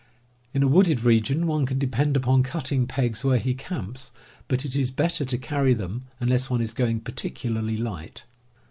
In a wooded region one can depend upon cutting pegs where he camps, but it is better to carry them unless one is going particularly light.